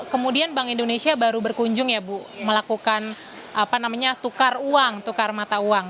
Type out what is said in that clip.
kemudian bank indonesia baru berkunjung ya bu melakukan apa namanya tukar uang tukar mata uang